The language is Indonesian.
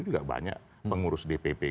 juga banyak pengurus dpp